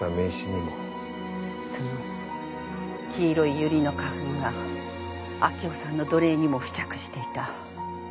その黄色いユリの花粉が明生さんの土鈴にも付着していた。